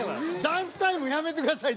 ダンスタイムやめてください